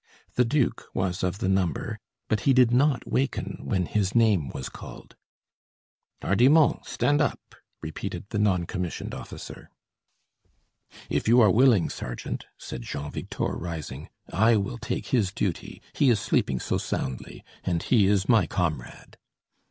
The duke was of the number, but he did not waken when his name was called. "Hardimont, stand up!" repeated the non commissioned officer. "If you are willing, sergeant," said Jean Victor rising, "I will take his duty, he is sleeping so soundly and he is my comrade."